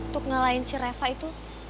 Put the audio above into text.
untuk ngalahin si reva itu